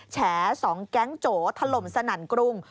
แฉ๒แก๊งโจถล่มสนั่นกรุง